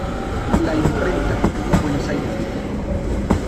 La Imprenta, Buenos Aires.